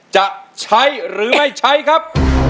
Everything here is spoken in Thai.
จะใช้หรือไม่ใช้ครับ